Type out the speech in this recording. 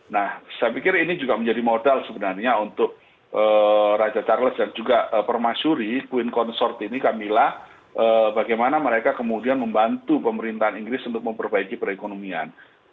nah saya pikir ini juga menjadi modal sebenarnya untuk raja charles dan juga permasyuri queen consort ini camillah bagaimana mereka kemudian membantu pemerintahan inggris untuk memperbaiki perekonomian